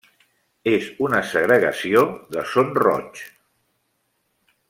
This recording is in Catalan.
És una segregació de Son Roig.